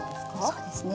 そうですね。